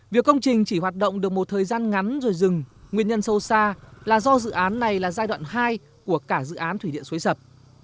việc công trình chỉ hoạt động được một thời gian ngắn rồi dừng nguyên nhân sâu xa là do dự án này là giai đoạn hai của cả dự án thủy điện xuế sập